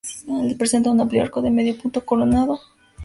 Presenta un amplio arco de medio punto coronado con penacho superior.